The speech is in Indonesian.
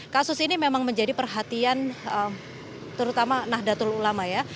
kasus ini memang menjadi perhatian terutama nahdlatul ulama ya